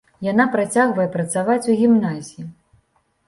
Яна працягвае працаваць у гімназіі.